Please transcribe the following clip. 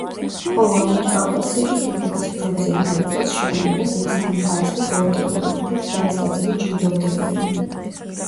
ხოლო ამიერკავკასიაში თურქეთის ფრონტზე, იმავე წელს შემოიღეს მესამე ხარისხის ორდენი, რომლითაც ჯარისკაცები ჯილდოვდებოდნენ.